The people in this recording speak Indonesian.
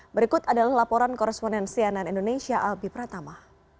berikut adalah laporan koresponensi ann indonesia alpi pratama